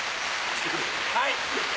はい！